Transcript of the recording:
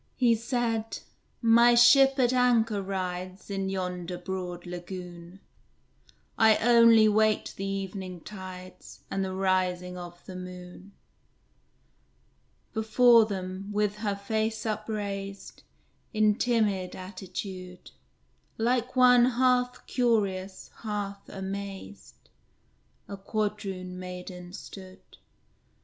He said, "My ship at anchor rides In yonder broad lagoon; I only wait the evening tides, And the rising of the moon." Before them, with her face upraised, In timid attitude, Like one half curious, half amazed, A Quadroon maiden stood.